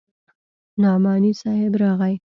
نعماني صاحب راغى.